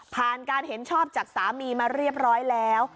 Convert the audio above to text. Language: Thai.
ผ่านการเห็นชอบจากสามีมาเรียบร้อยแล้ว